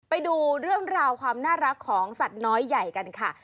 ไปดูเรื่องราวความน่ารักของสัตว์น้อยใหญ่กันค่ะ